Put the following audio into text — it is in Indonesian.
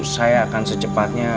saya akan secepatnya